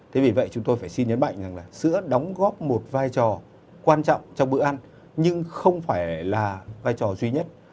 thế vì vậy chúng tôi phải xin nhấn mạnh rằng là sữa đóng góp một vai trò quan trọng trong bữa ăn nhưng không phải là vai trò duy nhất